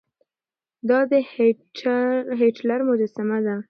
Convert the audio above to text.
دا د هېټلر مجسمه ده.